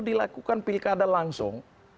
dilakukan pilih keadaan langsung